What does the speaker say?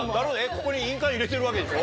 ここに印鑑入れてるわけでしょ？